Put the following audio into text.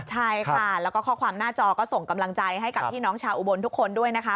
ใช่ค่ะแล้วก็ข้อความหน้าจอก็ส่งกำลังใจให้กับพี่น้องชาวอุบลทุกคนด้วยนะคะ